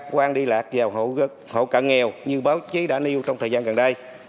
quang đi lạc vào hộ cận nghèo như báo chí đã nêu trong thời gian gần đây